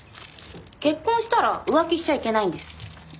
結婚したら浮気しちゃいけないんです。